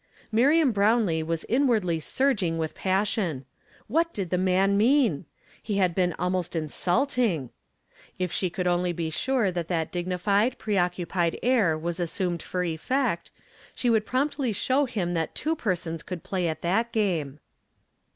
Miriam Hrownlee was inwardly surging with passion. What did the man mean '^ He had been almost insulting! If she could only be sure that that dignified, preoccupied air was assumed for effect, slie would promptly show him that two per sons could play at that game.